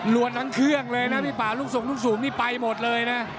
ทั้งเครื่องเลยนะพี่ป่าลูกส่งลูกสูงนี่ไปหมดเลยนะ